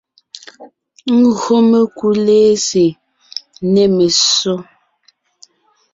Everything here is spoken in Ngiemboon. Gÿo mekú lɛ́sè nê messó,